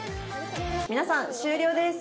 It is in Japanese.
「皆さん終了です。